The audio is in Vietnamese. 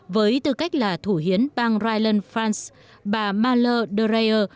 với tư cách là thủ hiến bang rheinland pfalz bà malu dreyer